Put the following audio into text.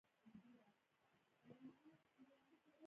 طبیعي زیرمې د افغانستان د سیلګرۍ د برخې یوه ډېره مهمه برخه ګڼل کېږي.